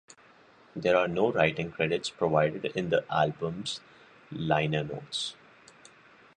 There are no writing credits provided in the album's liner notes.